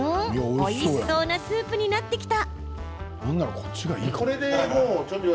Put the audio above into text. おいしそうなスープになってきた。